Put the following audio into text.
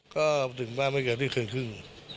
ก็ถึงบ้านไม่เกินที่คืนครึ่ง